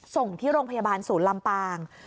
ส่งที่โรงพยาบาลศูนย์ลำปาง